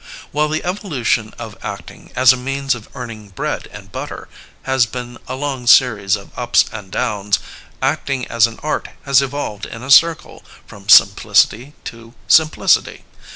While the evolution of acting as a means of earn ing bread and butter has been a long series of ups and downs, acting as an art has evolved in a circle, from simplicity to simplicity.